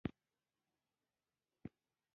افغانستان د ځنګلي حاصلاتو د ساتنې لپاره قوانین لري.